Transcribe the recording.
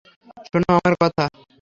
শোনো, আমার কথা শোনো।